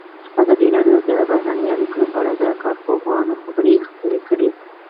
ازادي راډیو د بهرنۍ اړیکې په اړه د کارپوهانو خبرې خپرې کړي.